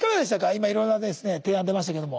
今いろんなですね提案出ましたけれども。